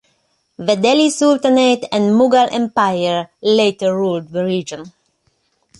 The Delhi Sultanate and Mughal Empire later ruled the region.